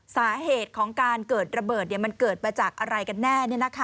สาเหตุของการเกิดระเบิดมันเกิดมาจากอะไรกันแน่